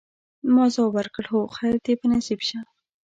ما ځواب ورکړ: هو، خیر دي په نصیب شه.